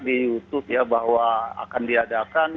di youtube ya bahwa akan diadakan